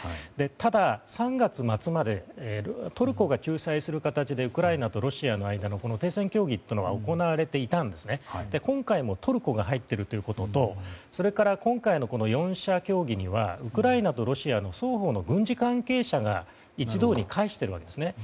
ただ、３月末までトルコが仲裁する形でウクライナとロシアの間の停戦協議は行われていたんですね。今回もトルコが入っているということとそれから、今回の４者協議にはウクライナとロシアの双方の軍事関係者が一堂に会しているわけですね。